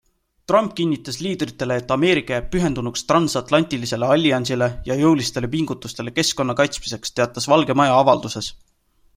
Trump kinnitas liidritele, et Ameerika jääb pühendunuks transatlantilisele alliansile ja jõulistele pingutustele keskkonna kaitsmiseks, teatas Valge Maja avalduses.